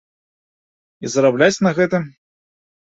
І зарабляць на гэтым.